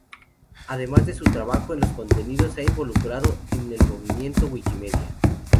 Además de su trabajo en los contenidos se ha involucrado en el movimiento Wikimedia.